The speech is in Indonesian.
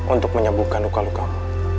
untuk menyembuhkan luka lukamu